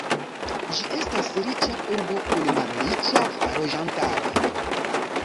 Ĝi estas riĉa urbo kun malriĉa loĝantaro.